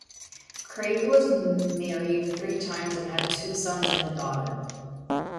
Craig was married three times and had two sons and a daughter.